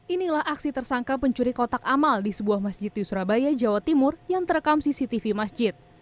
inilah aksi tersangka pencuri kotak amal di sebuah masjid di surabaya jawa timur yang terekam cctv masjid